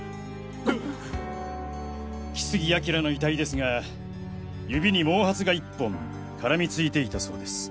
木杉彬の遺体ですが指に毛髪が１本からみついていたそうです。